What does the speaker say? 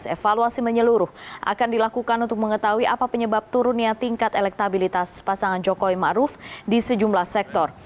evaluasi menyeluruh akan dilakukan untuk mengetahui apa penyebab turunnya tingkat elektabilitas pasangan jokowi ⁇ maruf ⁇ di sejumlah sektor